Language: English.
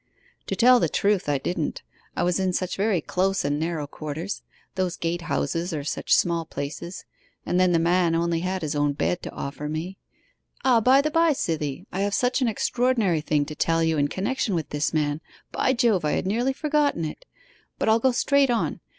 'To tell the truth, I didn't. I was in such very close and narrow quarters. Those gate houses are such small places, and the man had only his own bed to offer me. Ah, by the bye, Cythie, I have such an extraordinary thing to tell you in connection with this man! by Jove, I had nearly forgotten it! But I'll go straight on.